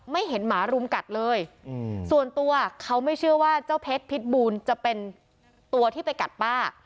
ไม่เห็นหมารุมกัดเลยส่วนตัวเขาไม่เชื่อว่าเจ้าเพชรพิษบูลจะเป็นตัวที่ไปกัดป้า